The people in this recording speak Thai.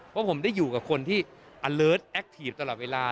เพราะผมได้อยู่กับคนที่อเลิศแอคทีฟตลอดเวลา